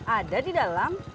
ada di dalam